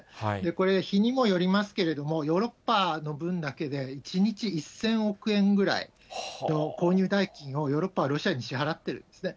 これ、日にもよりますけれども、ヨーロッパの分だけで、１日１０００億ぐらいの購入代金を、ヨーロッパはロシアに支払ってるんですね。